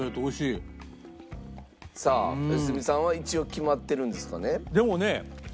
さあ良純さんは一応決まってるんですかね？